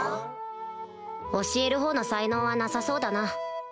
教えるほうの才能はなさそうだな